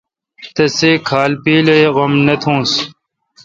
تسے کھال پیل اے°غم تھونس۔